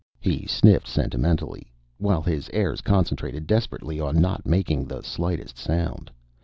He sniffed sentimentally, while his heirs concentrated desperately on not making the slightest sound.